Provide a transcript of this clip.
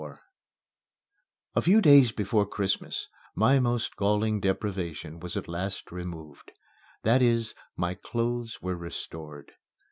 XXIV A few days before Christmas my most galling deprivation was at last removed. That is, my clothes were restored.